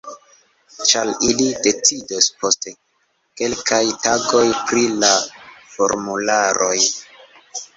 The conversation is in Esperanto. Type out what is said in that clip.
Ĉar ili decidos post kelkaj tagoj pri la formularoj